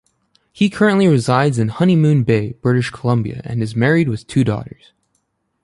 He currently resides in Honeymoon Bay, British Columbia, and is married with two daughters.